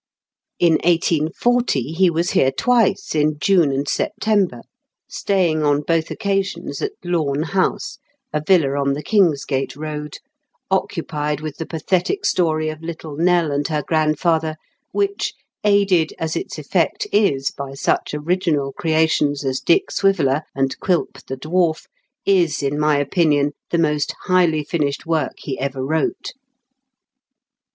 In 1840 he was here twice, in June and September, staying on both occasions at Lawn House, a villa on the Kingsgate road, occupied with the pathetic story of little Nell and her grandfather, which, aided as its effect is by such original creations as Dick Swiveller and Quilp the dwarf, is in my opinion the most highly finished work he ever wrote.